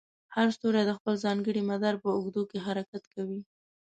هر ستوری د خپل ځانګړي مدار په اوږدو کې حرکت کوي.